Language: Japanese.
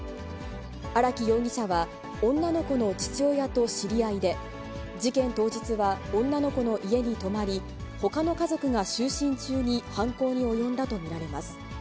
荒木容疑者は、女の子の父親と知り合いで、事件当日は女の子の家に泊まり、ほかの家族が就寝中に犯行に及んだと見られます。